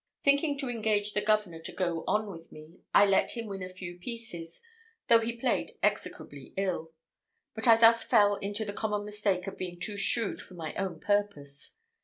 Thinking to engage the governor to go on with me, I let him win a few pieces, though he played execrably ill; but I thus fell into the common mistake of being too shrewd for my own purpose.